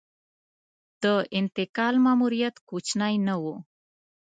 د انتقال ماموریت کوچنی نه و.